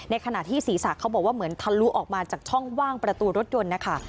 ขณะที่ศีรษะเขาบอกว่าเหมือนทะลุออกมาจากช่องว่างประตูรถยนต์นะคะ